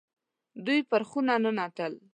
دوی پر خونه ننوتل.